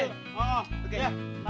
berapa berapa pak berapa